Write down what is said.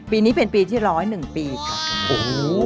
ปีนี้เป็นปีที่๑๐๑ปีค่ะโอ้โห